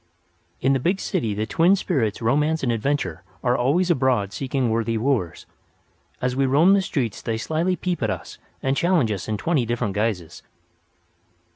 In the big city the twin spirits Romance and Adventure are always abroad seeking worthy wooers. As we roam the streets they slyly peep at us and challenge us in twenty different guises.